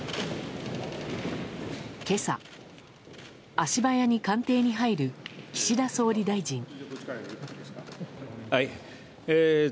今朝、足早に官邸に入る岸田総理大臣。